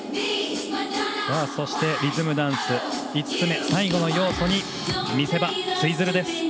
そして、リズムダンスの５つ目最後の要素に見せ場、ツイズル。